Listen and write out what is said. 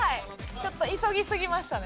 ちょっと急ぎすぎましたね。